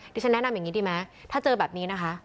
ที่ฉันแนะนำอย่างนี้ดีไหมถ้าเจอแบบนี้นะคะ